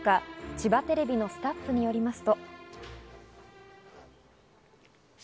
千葉テレビのスタッフによりますと。